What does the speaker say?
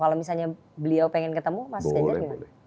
kalau misalnya beliau pengen ketemu mas ganjar gimana